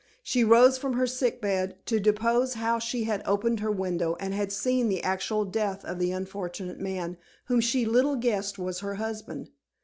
She rose from her sick bed to depose how she had opened her window, and had seen the actual death of the unfortunate man, whom she little guessed was her husband.